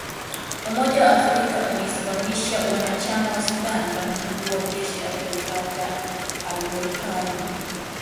Umoja wa Afrika umeisimamisha uanachama wa Sudan tangu mkuu wa jeshi Abdel Fattah al-Burhan